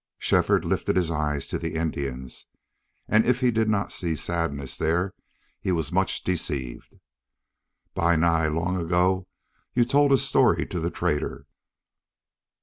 Shefford lifted his eyes to the Indian's, and if he did not see sadness there he was much deceived. "Bi Nai, long ago you told a story to the trader.